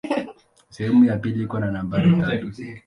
Sehemu ya pili iko na nambari tatu.